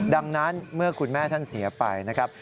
ดังนั้นเมื่อคุณแม่ท่านเสียไปนะครับ